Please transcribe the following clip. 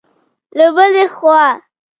له بلې خوا